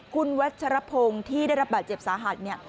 คุณวัชรพงศ์ที่ได้รับบาดเจ็บสาหัสเนี่ย